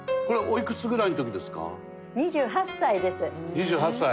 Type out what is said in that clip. ２８歳。